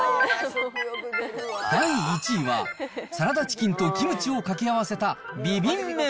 第１位は、サラダチキンとキムチを掛け合わせたビビン麺。